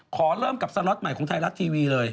ขอเริ่มกับสล็อตใหม่ของไทยรัฐทีวีเลย